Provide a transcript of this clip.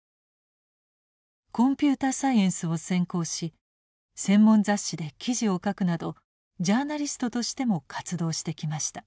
コンピューターサイエンスを専攻し専門雑誌で記事を書くなどジャーナリストとしても活動してきました。